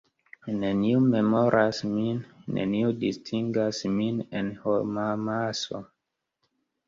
Neniu memoras min, neniu distingas min en homamaso.